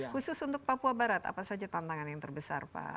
khusus untuk papua barat apa saja tantangan yang terbesar pak